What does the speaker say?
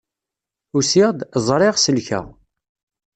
Usiɣ-d, ẓriɣ, selkeɣ.